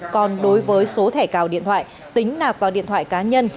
còn đối với số thẻ cào điện thoại tính nạp vào điện thoại cá nhân